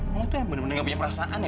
mama tuh yang bener bener gak punya perasaan